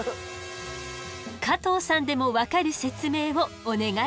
加藤さんでも分かる説明をお願い。